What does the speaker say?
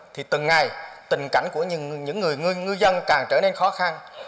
thì từng ngày tình cảnh của những người ngư dân càng trở nên khó khăn